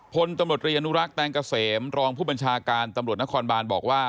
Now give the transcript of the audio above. พลตำรวจรีอนุรักษ์แตงเกษมรองผู้บัญชาการตำรวจนครบานบอกว่า